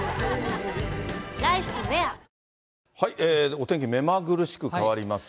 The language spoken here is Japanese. お天気、目まぐるしく変わります。